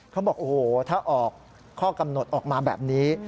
เขาบอกโอ้โหถ้าออกข้อกำหนดออกมาแบบนี้